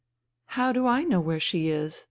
" How do I know where she is ?